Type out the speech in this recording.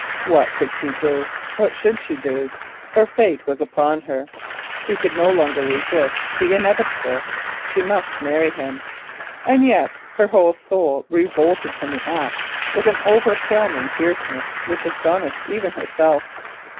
What could she do? What should she do? Her fate was upon her: she could no longer resist the inevitable—she must marry him. And yet her whole soul revolted from the act with an overwhelming fierceness which astonished even herself.